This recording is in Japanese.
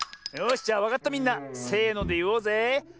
よしじゃわかったみんなせのでいおうぜ！